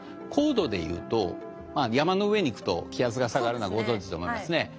高度でいうと山の上に行くと気圧が下がるのはご存じと思いますね。